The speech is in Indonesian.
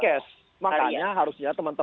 kau perkenalkan di kemenkes